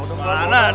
kepala nah ada